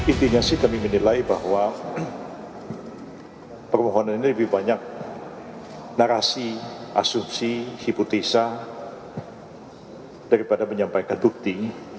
intinya sih kami menilai bahwa permohonan ini lebih banyak narasi asumsi hipotesa daripada menyampaikan bukti